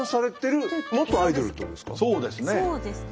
そうですね。